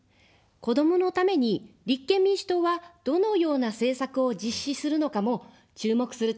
子どものために立憲民主党はどのような政策を実施するのかも注目する点です。